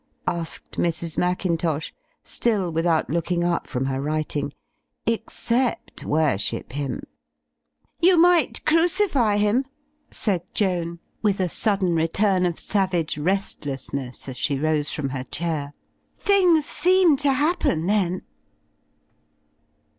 asked Mrs. Mackintosh, still without looking up from her writing, "except worship him?" Digitized by CjOOQ IC 312 THE FLYING INN ''You might crucify him/' said Joan, with a sudden return of savage restlessness, as she rose from her chair. "Things seem to happen then."